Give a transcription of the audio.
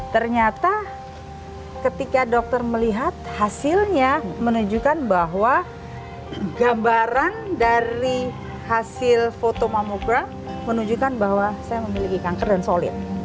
ternyata ketika dokter melihat hasilnya menunjukkan bahwa gambaran dari hasil foto mamograf menunjukkan bahwa saya memiliki kanker dan solid